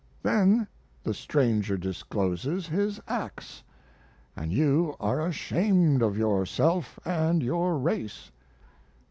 Then the stranger discloses his ax, and you are ashamed of yourself and your race.